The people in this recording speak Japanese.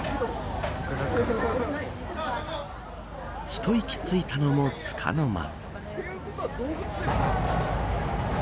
一息ついたのも、つかの間。